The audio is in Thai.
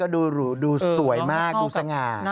น้องแพนเค้กก็ดูดูสวยมากดูสง่า